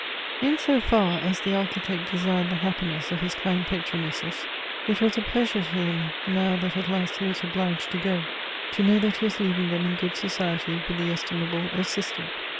IN so far as the Architect desired the happiness of his kind patronesses, it was a pleasure to him, now that at last he was obliged to go, to know that he was leaving them in good society with the estimable Assistant.